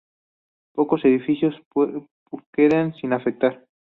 Pocos edificios quedan sin afectar.